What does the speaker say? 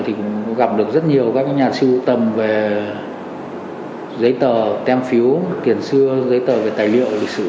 tôi gặp được rất nhiều nhà siêu tầm về giấy tờ tem phiếu tiền xưa giấy tờ về tài liệu lịch sử